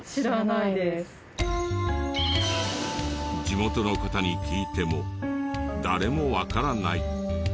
地元の方に聞いても誰もわからない。